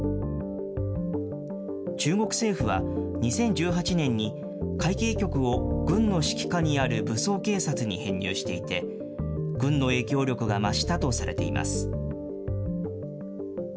中国政府は２０１８年に、海警局を軍の指揮下にある武装警察に編入していて、軍の影響力が増したとされています。